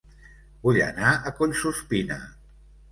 Vull anar a Collsuspina